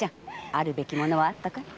あるべきものはあったかい？